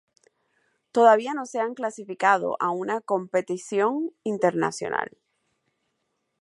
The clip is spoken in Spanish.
Todavía no se han clasificado a una competición internacional.